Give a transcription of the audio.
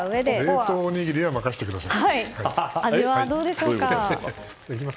冷凍おにぎりは任せてください。